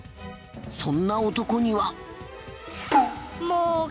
そんな男には。